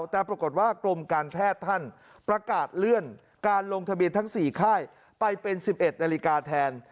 แต่ปรากฏว่ากรมการแพทย์ท่านประกาศเลื่อนการลงทะเบียนทั้ง๔ค่ายไปเป็น๑๑นาฬิกาแทน